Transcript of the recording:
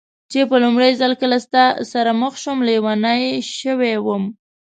چې په لومړي ځل کله ستا سره مخ شوم، لېونۍ شوې وم.